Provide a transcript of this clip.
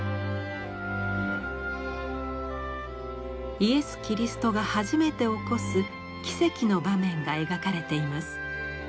イエス・キリストが初めて起こす奇跡の場面が描かれています。